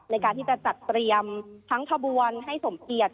ในการที่จะจัดเตรียมทั้งขบวนให้สมเกียจ